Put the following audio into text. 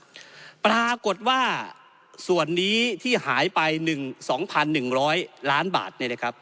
ส่วนนี้ที่ปรากฏส่วนนี้หายไป๒๑๐๐ล้านบาท